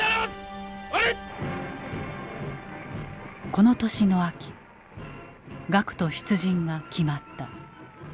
この年の秋学徒出陣が決まった。